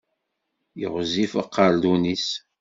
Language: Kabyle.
Ɣezzif aqerdun-is.